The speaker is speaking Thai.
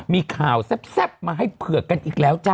มีข่าวแซ่บมาให้เผือกกันอีกแล้วจ้ะ